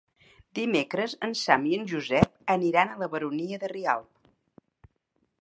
Dimecres en Sam i en Josep aniran a la Baronia de Rialb.